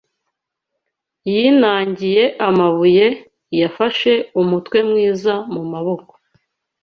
yinangiye amabuye; Yafashe umutwe mwiza mu maboko